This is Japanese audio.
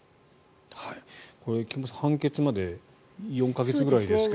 菊間さん判決まで４か月くらいですが。